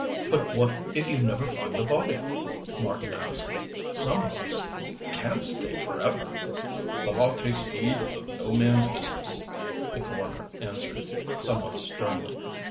"But what if you never find the body?" Marten asked. "Some of us can't stay forever." "The law takes heed of no man's business," the coroner answered, somewhat sternly.